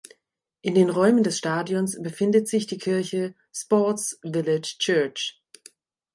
In den Räumen des Stadions befindet sich die Kirche "Sports Village Church".